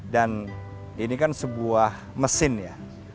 ini kan sebuah mesin ya